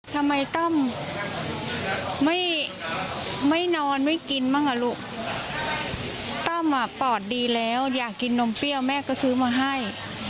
ตั้มไม่นอนไม่กินบ้างอ่ะลูกตั้มอ่ะปอดดีแล้วอยากกินนมเปรี้ยวแม่ก็ซื้อมาให้